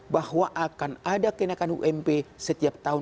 bahwa akan ada kenaikan ump setiap tahun